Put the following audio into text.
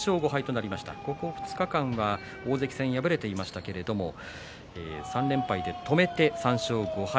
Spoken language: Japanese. ここ２日間は大関戦に敗れていましたけれども３連敗で止めて３勝５敗。